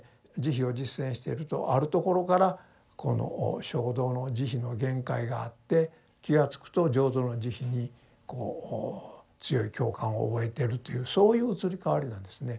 慈悲を実践しているとあるところからこの聖道の慈悲の限界があって気が付くと浄土の慈悲にこう強い共感を覚えてるというそういう移り変わりなんですね。